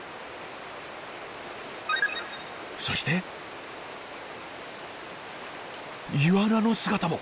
そしてイワナの姿も！